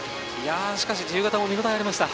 しかし自由形も見応えがありました。